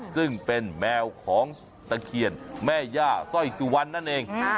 ซึ่งเป็นแมวของตะเคียนแม่ย่าสร้อยสุวรรณนั่นเอง